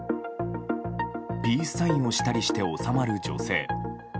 ピースサインをしたりして収まる女性。